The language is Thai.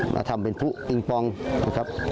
มาทำเป็นผู้อิงปองนะครับ